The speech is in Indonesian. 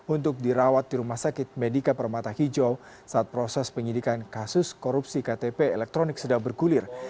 untuk dirawat di rumah sakit medika permata hijau saat proses penyidikan kasus korupsi ktp elektronik sedang bergulir